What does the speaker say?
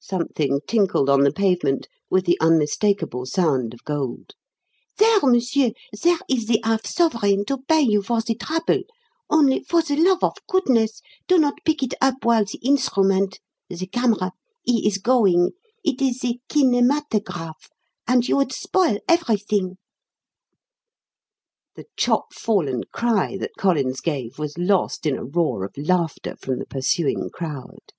something tinkled on the pavement with the unmistakable sound of gold "zere, monsieur, zere is the half sovereign to pay you for ze trouble, only, for ze lof of goodness, do not pick it up while the instrument ze camera he is going. It is ze kinematograph, and you would spoil everything!" The chop fallen cry that Collins gave was lost in a roar of laughter from the pursuing crowd.